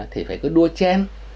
thì phải cứ đua chen